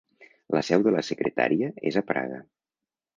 La seu de la secretària és a Praga.